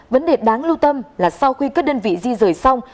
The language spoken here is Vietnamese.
vấn đề đáng lưu tâm là sau khi các đơn vị di rời xong